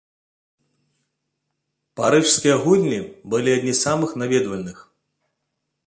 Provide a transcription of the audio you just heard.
Парыжскія гульні былі аднымі з самых наведвальных.